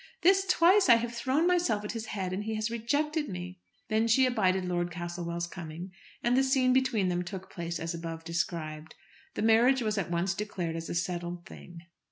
"This twice I have thrown myself at his head and he has rejected me." Then she abided Lord Castlewell's coming, and the scene between them took place as above described. The marriage was at once declared as a settled thing.